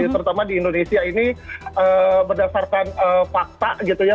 terutama di indonesia ini berdasarkan fakta gitu ya